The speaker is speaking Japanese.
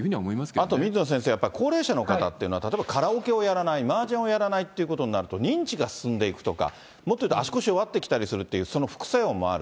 あと水野先生、やっぱり高齢者の方というのは、例えばカラオケをやらない、マージャンをやらないっていうことになると、認知が進んでいくとか、もっと言うと足腰弱ってきたりとかとか、その副作用もある。